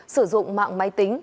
sử dụng mạng máy tính